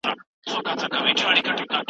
حضوري ټولګي کي فعال ګډون وکړه.